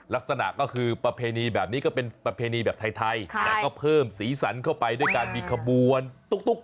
ลักษณะก็คือประเพณีแบบนี้ก็เป็นประเพณีแบบไทยแต่ก็เพิ่มสีสันเข้าไปด้วยการมีขบวนตุ๊ก